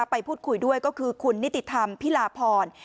ไปพูดคุยด้วยก็คือคุณนิติธรรมพิลาพร